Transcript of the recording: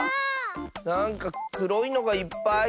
なんかくろいのがいっぱい。